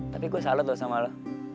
tapi gua salut loh sama lu